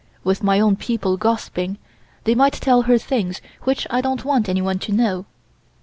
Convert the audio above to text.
With my own people gossiping they might tell her things which I don't want anyone to know."